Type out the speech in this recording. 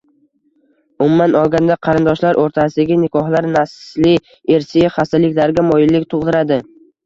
Umuman olganda, qarindoshlar o‘rtasidagi nikohlar nasliy, irsiy xastaliklarga moyillik tug‘diradi.